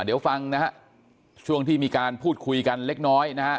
เดี๋ยวฟังนะฮะช่วงที่มีการพูดคุยกันเล็กน้อยนะฮะ